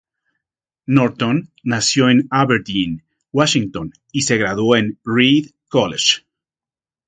Norton nació en Aberdeen, Washington y se graduó en "Reed College".